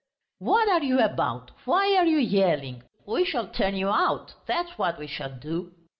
"What are you about? Why are you yelling? We shall turn you out, that's what we shall do."